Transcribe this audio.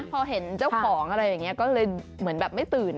พอเห็นเจ้าของอะไรอย่างนี้ก็เลยเหมือนแบบไม่ตื่น